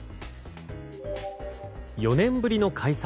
４年ぶりの開催。